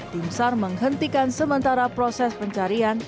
tim sar menghentikan sementara proses pencarian